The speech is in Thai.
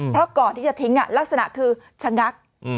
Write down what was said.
เพราะก่อนที่จะทิ้งลักษณะคือชะงัก